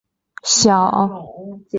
小岩站的铁路车站。